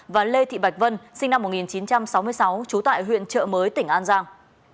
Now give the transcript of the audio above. và lê thị bạch vân sinh năm một nghìn chín trăm sáu mươi sáu trú tại huyện trợ mới tỉnh an giang